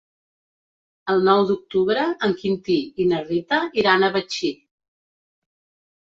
El nou d'octubre en Quintí i na Rita iran a Betxí.